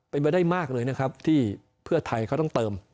เป็นไปได้มากเลยนะครับที่เพื่อไทยเขาต้องเติม